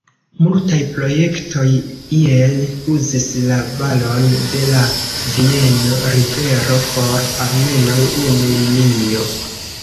Multaj projektoj iel uzis la valon de la Vieno-rivero por almenaŭ unu linio.